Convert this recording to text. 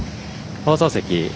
放送席。